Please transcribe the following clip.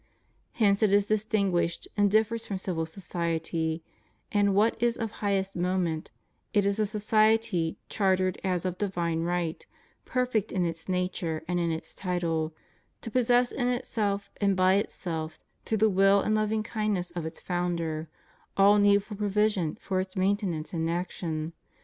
Hence it is distinguished and differs from civil society, and what is of highest moment, it is a society chartered as of right divine, perfect in its nature and in its title, to possess in itself and by itself, through the vnW and loving kindness of its Founder, all needful provision for its maintenance and action.